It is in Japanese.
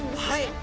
はい。